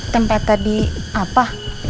tempat tadi apa